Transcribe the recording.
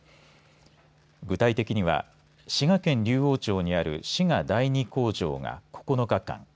具体的には滋賀県竜王町にある滋賀第２工場が９日間。